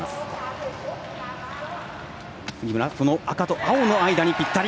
杉村、赤と青の間にぴったり。